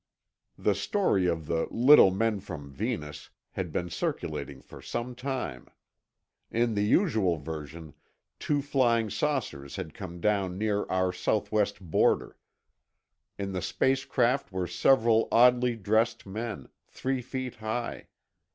The story of the "little men from Venus" had been circulating for some time. In the usual version, two flying saucers had come down near our southwest border. In the space craft were several oddly dressed men, three feet high.